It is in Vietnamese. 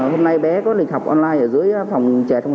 hôm nay bé có lịch học online ở dưới phòng chè không ạ